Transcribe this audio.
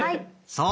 そう。